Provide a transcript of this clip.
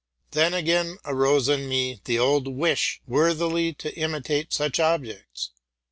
Then again arose in me the old wish, worthily to imitate such objects.